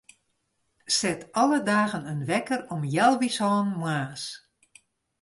Set alle dagen in wekker om healwei sânen moarns.